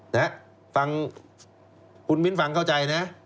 นะฮะฟังคุณมิ้นฟังเข้าใจนะ